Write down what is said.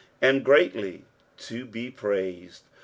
" And greatly to be praised."